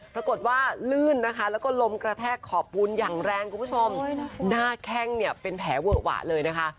ปรากฏว่าลื่นนะคะแล้วก็ล้มกระแทกขอบปูนอย่างแรงคุณผู้ชมหน้าแข้งเนี่ยเป็นแผลเวอะหวะเลยนะคะ